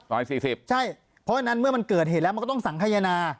๔๐ใช่เพราะฉะนั้นเมื่อมันเกิดเหตุแล้วมันก็ต้องสังขยนา